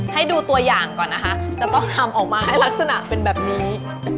ให้ดูตัวอย่างก่อนนะคะจะต้องทำออกมาให้ลักษณะเป็นแบบนี้